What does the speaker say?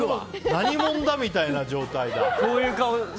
何者だみたいな状態だ。